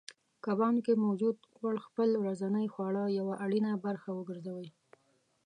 کبانو کې موجود غوړ خپل ورځنۍ خواړه یوه اړینه برخه وګرځوئ